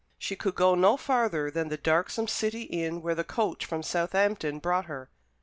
She could go no farther than the darksome city inn where the coach from Southampton brought her.